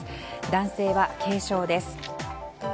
男性は軽傷です。